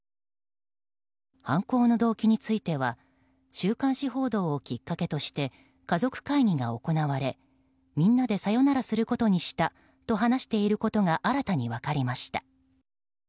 犯行の動機については週刊誌報道をきっかけとして家族会議が行われ、みんなでさよならすることにしたと話していることが新たに分かりました。